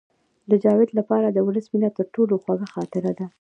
د جاوید لپاره د ولس مینه تر ټولو خوږه خاطره ده